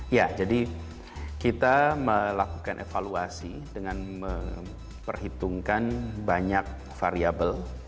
ya jadi kita melakukan evaluasi dengan memperhitungkan banyak variable